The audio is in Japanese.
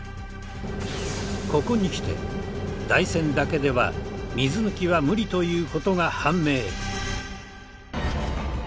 ここにきて台船だけでは水抜きは無理という事が判明。